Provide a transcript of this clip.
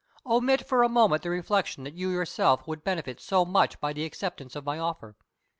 Omit for a moment the reflection that you yourself would benefit so much by the acceptance of my offer.